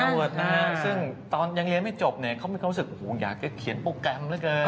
ฮาเวิร์ดนะซึ่งตอนยังเรียนไม่จบเนี่ยเขาไม่เคยรู้สึกอยากจะเขียนโปรแกรมเหลือเกิน